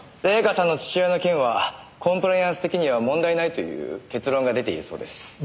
礼夏さんの父親の件はコンプライアンス的には問題ないという結論が出ているそうです。